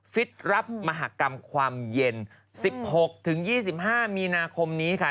ฟิตรับมหากรรมความเย็น๑๖๒๕มีนาคมนี้ค่ะ